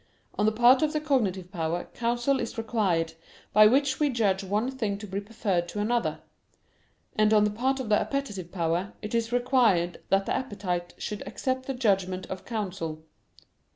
On the part of the cognitive power, counsel is required, by which we judge one thing to be preferred to another: and on the part of the appetitive power, it is required that the appetite should accept the judgment of counsel.